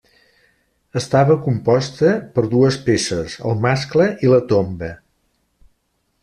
Estava composta per dues peces, el mascle i la tomba.